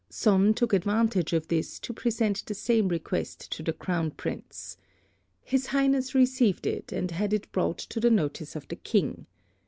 Sonn took advantage of this to present the same request to the Crown Prince. His Highness received it, and had it brought to the notice of the King.